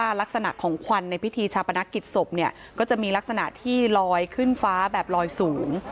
ลักษณะของควันในพิธีชาปนกิจศพเนี่ยก็จะมีลักษณะที่ลอยขึ้นฟ้าแบบลอยสูง